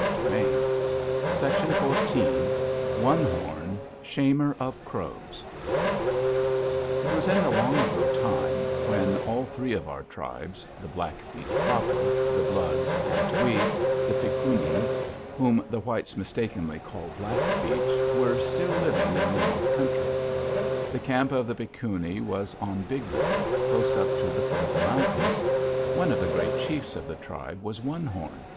It was the story, he said, of "ONE HORN, SHAMER OF CROWS "It was in the long ago time, when all three of our tribes, the Blackfeet proper, the Bloods, and we, the Pikun´i, whom the whites mistakenly call Blackfeet, were still living in the North country. The camp of the Pikun´i was on Big River, close up to the foot of the mountains. One of the great chiefs of the tribe was One Horn.